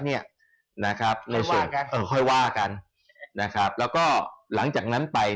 เนี้ยนะครับในส่วนค่อยว่ากันเออค่อยว่ากันนะครับแล้วก็หลังจากนั้นไป